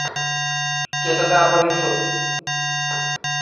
เจตนาบริสุทธิ์